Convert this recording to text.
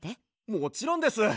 もちろんです！